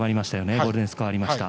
ゴールデンスコアがありました。